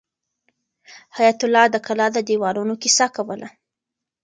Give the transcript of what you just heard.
حیات الله د کلا د دیوالونو کیسه کوله.